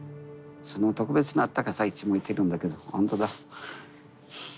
その特別なあったかさいつも言ってるんだけどほんとだ。